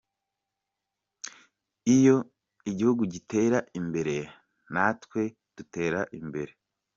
Iyo igihugu gitera imbere natwe dutera imbere”.